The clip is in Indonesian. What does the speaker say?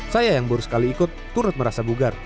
saya yang baru sekali ikut turut merasa bugar